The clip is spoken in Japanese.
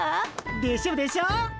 でしょでしょ。